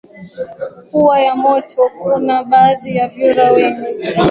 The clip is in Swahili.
kuwa ya moto Kuna baadhi ya vyura wenye